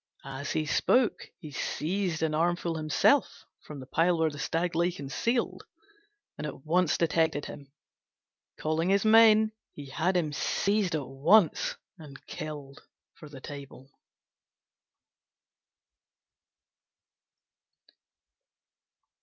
As he spoke, he seized an armful himself from the pile where the Stag lay concealed, and at once detected him. Calling his men, he had him seized at once and killed for the table.